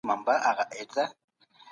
ټولني لویېږي او د پوخوالي پړاو ته رسېږي.